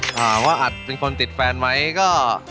ถามว่าอัดเป็นคนติดแฟนไหมก็